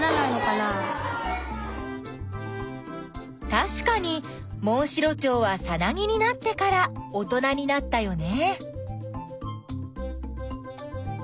たしかにモンシロチョウはさなぎになってから大人になったよね。